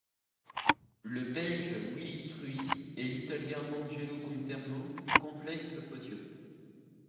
Le Belge Willy Truye et l'Italien Angelo Conterno complètent le podium.